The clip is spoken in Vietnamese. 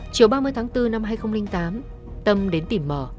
chiều ba mươi tháng bốn năm hai nghìn tám tâm đến tìm mờ